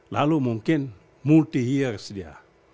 lalu mungkin multi years dia